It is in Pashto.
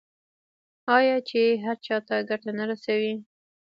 آیا چې هر چا ته ګټه نه رسوي؟